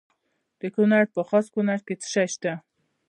د کونړ په خاص کونړ کې څه شی شته؟